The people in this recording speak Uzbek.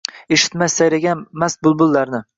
Eshitmas sayragan mast bulbullarni